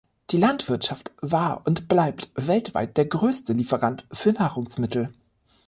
Die Landwirtschaft war und bleibt weltweit der größte Lieferant für Nahrungsmittel.